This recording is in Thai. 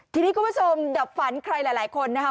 ทีนี้คุณผู้ชมดับฝันใครหลายคนนะคะ